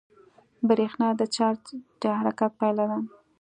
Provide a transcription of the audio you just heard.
برېښنا د چارج د حرکت پایله ده.